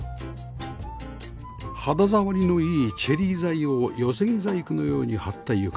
肌触りのいいチェリー材を寄せ木細工のように張った床